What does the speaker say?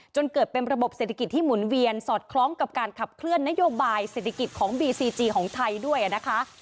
จนเกิดเป็นระบบเศรษฐกิจที่หมุนเวียนสอดคล้องกับการขับเคลื่อนนโยบายเศรษฐกิจของบีซีจีของไทยด้วยนะคะ